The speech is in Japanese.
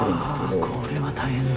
これは大変だ。